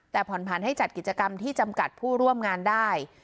แต่ผ่อนผันให้จัดกิจกรรมที่จำกัดผู้ร่วมงานได้